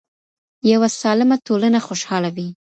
يوه سالمه ټولنه خوشحاله وي.